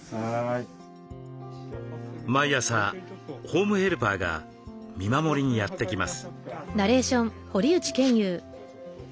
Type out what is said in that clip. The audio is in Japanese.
毎朝ホームヘルパーが見守りにやって来ます。